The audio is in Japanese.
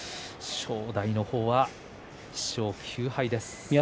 正代の方は１勝９敗です。